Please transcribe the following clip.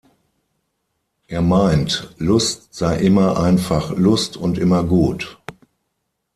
Er meint, Lust sei immer einfach Lust und immer gut.